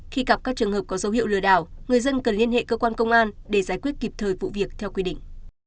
khi gặp các trường hợp có dấu hiệu lừa đảo người dân cần liên hệ cơ quan công an để giải quyết kịp thời vụ việc theo quy định